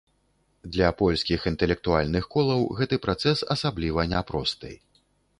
Для польскіх інтэлектуальных колаў гэты працэс асабліва няпросты.